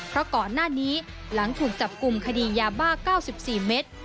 เพราะก่อนหน้านี้หลังถูกจับกลุ่มคดียาบ้า๙๔เมตร